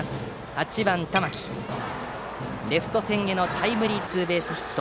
８番、玉置のレフト線へのタイムリーツーベースヒット。